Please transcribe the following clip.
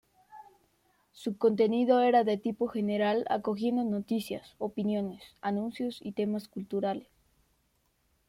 Su contenido era de tipo general acogiendo noticias, opiniones, anuncios y temas culturales.